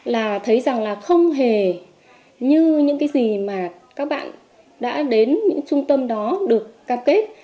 là thấy rằng là không hề như những cái gì mà các bạn đã đến những trung tâm đó được cam kết